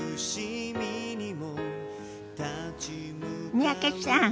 三宅さん